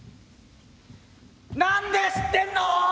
「何で知ってんの？」。